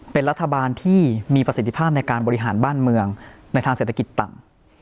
เป็นรัฐบาลที่มีประสิทธิภาพในการบริหารบ้านเมืองในทางเศรษฐกิจต่ำ